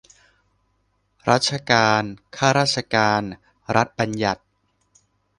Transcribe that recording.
รัฐการ ข้ารัฐการ รัฐบัญญัติ